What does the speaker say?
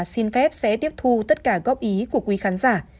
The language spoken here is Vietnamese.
xin phép sẽ tiếp thu tất cả góp ý của quý khán giả